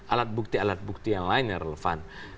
alat bukti alat bukti yang lain yang relevan